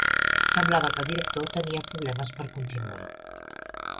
Semblava que el director tenia problemes per continuar.